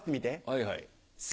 はいはい。